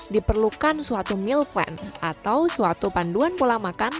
diperlukan suatu meal plan atau suatu panduan pola makan